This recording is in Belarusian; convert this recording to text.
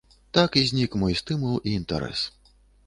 Так знік мой стымул і інтарэс.